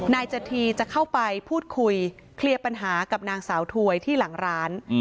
นายจธีจะเข้าไปพูดคุยเคลียร์ปัญหากับนางสาวถวยที่หลังร้าน